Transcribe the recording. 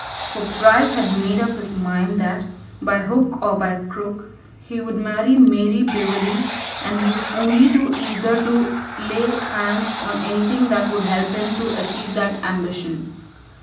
For Bryce had made up his mind that, by hook or by crook, he would marry Mary Bewery, and he was only too eager to lay hands on anything that would help him to achieve that ambition.